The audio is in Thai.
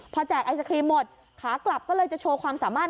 พอแจกไอศครีมหมดขากลับก็เลยจะโชว์ความสามารถ